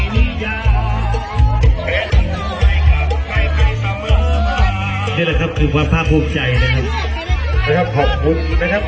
นี่แหละครับคือว่าพระภูมิใจนะครับนะครับขอบคุณนะครับ